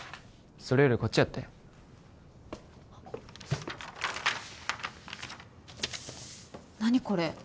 それよりこっちやって何これ？